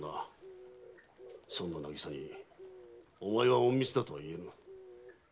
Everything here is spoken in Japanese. そんな渚に「お前は隠密だ」とは言えぬ。